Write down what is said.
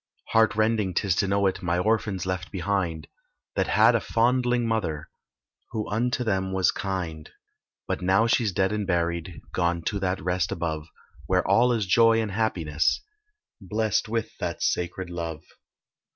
Heart rending 'tis to know it, My orphan's left behind, That had a fondling mother, Who unto them was kind: But now she's dead and buried, Gone to that rest above, Where all is joy and happiness Blest with that sacred love.